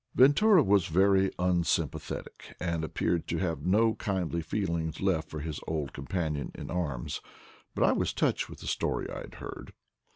, Ventura was very unsympathetic, and appeared ' to have no kindly feelings left for his old com panion in arms, but I was touched with the story I had heard.